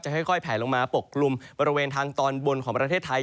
ค่อยแผลลงมาปกกลุ่มบริเวณทางตอนบนของประเทศไทย